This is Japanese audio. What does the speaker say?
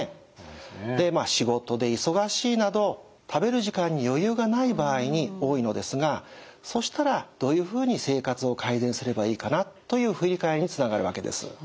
仕事で忙しいなど食べる時間に余裕がない場合に多いのですがそしたらどういうふうに生活を改善すればいいかなという振り返りにつながるわけです。